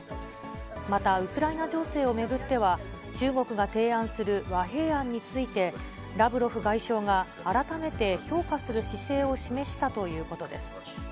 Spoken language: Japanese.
また、ウクライナ情勢を巡っては、中国が提案する和平案について、ラブロフ外相が改めて評価する姿勢を示したということです。